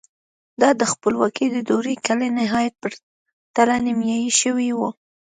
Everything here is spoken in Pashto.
دا د خپلواکۍ د دورې کلني عاید په پرتله نیمايي شوی و.